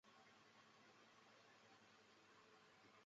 同年调任山西省人大副主任兼财经委员会主任。